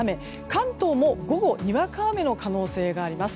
関東も午後にわか雨の可能性があります。